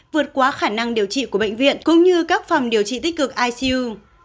vượt quá khả năng điều trị của bệnh viện cũng như các phòng điều trị tích cực icu